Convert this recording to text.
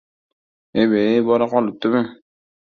— Eb-ey, bola qolibdimi!..